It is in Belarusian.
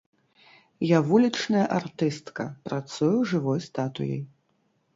Я вулічная артыстка, працую жывой статуяй.